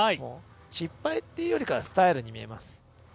失敗っていうよりかはスタイルに見えます。